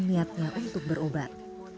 niatnya untuk berobat